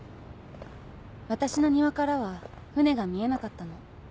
私の庭からは船が見えなかったの。